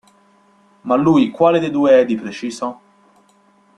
Ma lui quale dei due è di preciso?